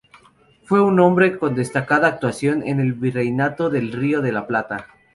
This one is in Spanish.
Fue un hombre con destacada actuación en el Virreinato del Río de la Plata.